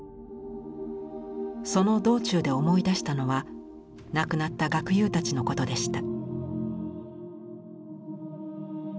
その道中で思い出したのは亡くなった学友たちのことでした。